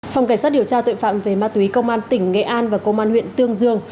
phòng cảnh sát điều tra tội phạm về ma túy công an tỉnh nghệ an và công an huyện tương dương